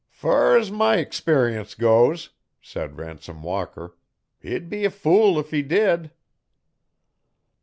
'Fur 's my experience goes,' said Ransom Walker, 'he'd be a fool 'f he did.'